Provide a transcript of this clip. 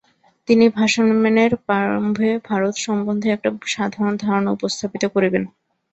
তিনি ভাষণের প্রারম্ভে ভারত সম্বন্ধে একটি সাধারণ ধারণা উপস্থাপিত করিবেন।